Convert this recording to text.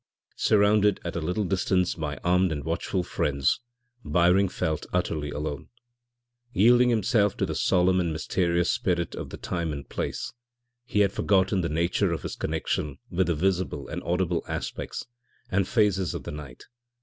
Surrounded at a little distance by armed and watchful friends, Byring felt utterly alone. Yielding himself to the solemn and mysterious spirit of the time and place, he had forgotten the nature of his connection with the visible and audible aspects and phases of the night.